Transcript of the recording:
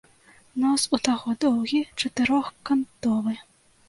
Нос у таго доўгі, чатырохкантовы.